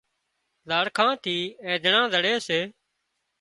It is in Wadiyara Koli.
زاڙکان ٿي اينڌڻان زڙي سي